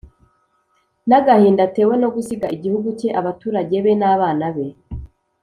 n’agahinda atewe no gusiga igihugu cye, abaturage be n’abana be.